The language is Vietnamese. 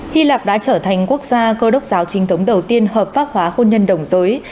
hy lạp đã trở thành quốc gia cơ đốc giáo trinh thống đầu tiên hợp pháp hóa khôn nhân đồng giới